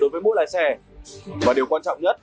về xe và điều quan trọng nhất